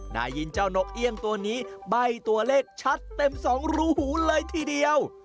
ได้ยินเจ้านกเอี่ยงตัวนี้ใบ้ตัวเลขชัดเต็มสองรูหูเลยทีเดียว